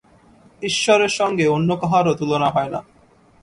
ঈশ্বরের সঙ্গে অন্য কাহারও তুলনা হয় না।